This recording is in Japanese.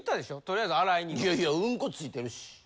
とりあえず洗いには。いやいやウンコついてるし。